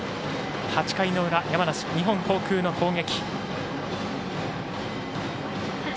８回の裏、山梨・日本航空の攻撃。